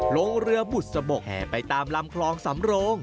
ลงเรือบุษบกแห่ไปตามลำคลองสำโรง